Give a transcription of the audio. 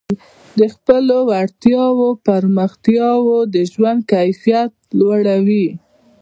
د خپلو وړتیاوو پراختیا د ژوند کیفیت لوړوي.